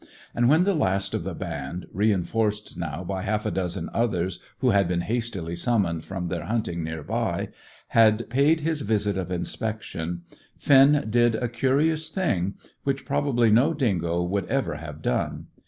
And when the last of the band, reinforced now by half a dozen others who had been hastily summoned from their hunting near by, had paid his visit of inspection, Finn did a curious thing, which probably no dingo would ever have done.